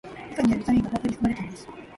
みかんにはビタミンが豊富に含まれています。